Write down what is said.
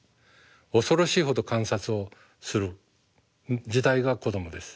恐ろしいほど観察をする時代が子どもです。